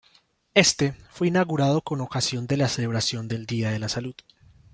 Éste fue inaugurado con ocasión de la celebración del Día de la salud.